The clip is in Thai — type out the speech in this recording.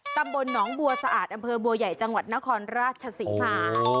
ตำบลหนองบัวสะอาดอำเภอบัวใหญ่จังหวัดนครราชศรีมา